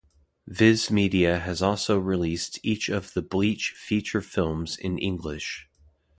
Viz Media has also released each of the "Bleach" feature films in English.